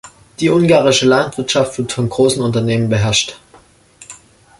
Die ungarische Landwirtschaft wird von großen Unternehmen beherrscht.